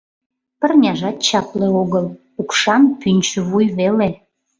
Пырняжат чапле огыл, укшан пӱнчӧ вуй веле.